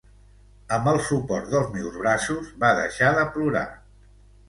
Amb el suport dels meus braços, va deixar de plorar.